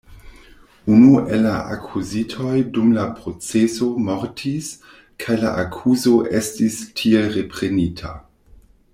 Unu el la akuzitoj dum la proceso mortis, kaj la akuzo estis tiel reprenita.